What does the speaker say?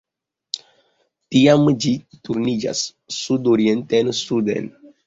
Tiam ĝi turniĝas sudorienten-suden.